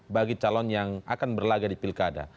bagi calon yang akan berlaga di pilkada